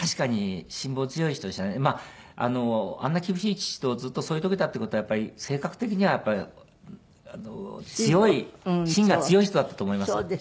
まああんな厳しい父とずっと添い遂げたっていう事はやっぱり性格的には強い芯が強い人だったと思います。